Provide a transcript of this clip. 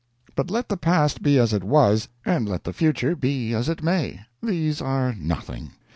But let the past be as it was, and let the future be as it may these are nothing.